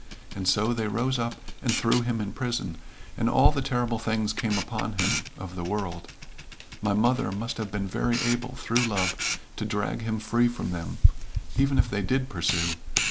And so they rose up and threw him in prison, and all the terrible things came upon him of the world. My mother must have been very able through love to drag him free from them, even if they did pursue.